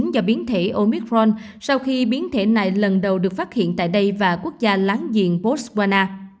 do biến thể omicron sau khi biến thể này lần đầu được phát hiện tại đây và quốc gia láng giềng poswana